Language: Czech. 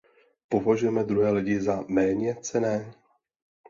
Považujeme druhé lidi za méněcenné?